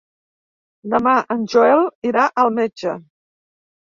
Demà en Joel irà al metge.